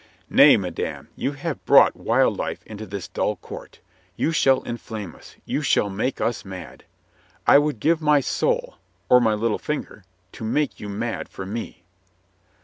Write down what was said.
"Nay, madame, you have brought wild life into this dull court. You shall enflame us, you shall make us mad. I would give my soul — or my little finger — to make you mad for me."